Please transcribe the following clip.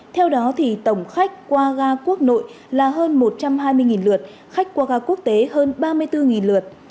theo đó tổng khách qua ga quốc nội là hơn một trăm hai mươi lượt khách qua ga quốc tế hơn ba mươi bốn lượt